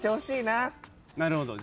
なるほど。